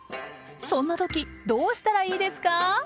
そんなときどうしたらいいですか？